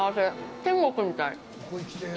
天国みたい。